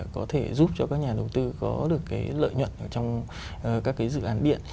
có thể giúp cho các nhà đầu tư có được cái lợi nhuận trong các cái dự án điện